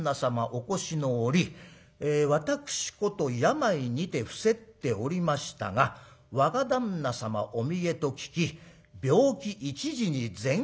お越しの折私こと病にて伏せっておりましたが若旦那様お見えと聞き病気一時に全快したような心持ち』。